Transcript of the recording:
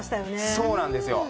そうなんですよ。